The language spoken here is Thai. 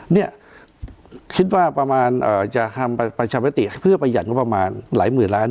คิดว่าจะทำปัญชาวิทยาลามแม่ติให้พรุ่งประหยัดกว่าประมาณหลายหมื่นล้าน